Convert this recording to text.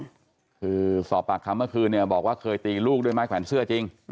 คือสอบปากคำเมื่อคืนเนี่ยบอกว่าเคยตีลูกด้วยไม้แขวนเสื้อจริง